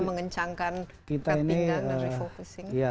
mengencangkan ikat pinggang dan refocusing